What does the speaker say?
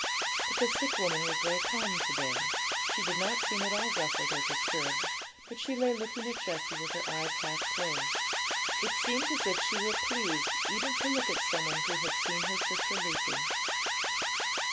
But the sick woman was very calm to day; she did not seem at all ruffled or disturbed, but she lay looking at Jessie with her eyes half closed. It seemed as if she were pleased even to look at some one who had seen her sister Lucy.